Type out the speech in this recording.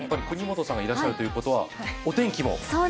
國本さんがいらっしゃるということは、お天気も？